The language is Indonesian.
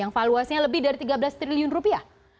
yang valuasinya lebih dari tiga belas triliun rupiah